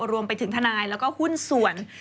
รวมไปถึงทนายแล้วก็หุ้นส่วน